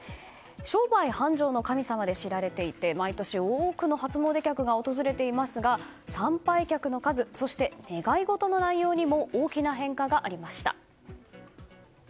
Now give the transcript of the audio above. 商売繁盛の神様で知られていて毎年、多くの初詣客が訪れていますが参拝客の数そして願い事の内容にも大きな変化がありました。